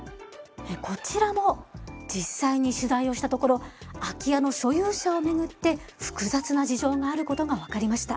こちらも実際に取材をしたところ空き家の所有者を巡って複雑な事情があることが分かりました。